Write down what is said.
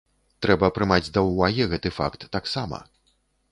Трэба прымаць да ўвагі гэты факт таксама.